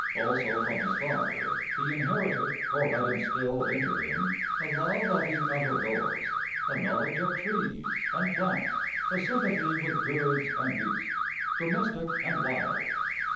Also from his father he inherited, or had instilled into him, a love of the out of doors, a knowledge of trees, and plants, a sympathy with birds and beasts, domestic and wild.